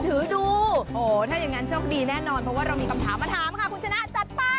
ถ้าเองงั้นโชคดีแน่นอนเพราะว่าเรามีคำถามมาถามค่าคุณชนะจัดไป